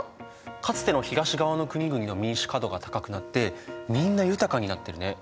かつての東側の国々の民主化度が高くなってみんな豊かになってるね。